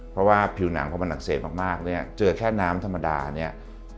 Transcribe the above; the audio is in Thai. เพราะว่าผิวหนังพอมันอักเสบมากเนี่ยเจอแค่น้ำธรรมดาเนี่ย